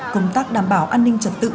công tác đảm bảo an ninh trật tự